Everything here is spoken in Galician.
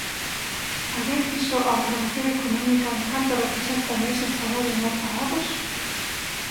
Alguén fixo a valoración económica de canto representan eses traballos non pagados?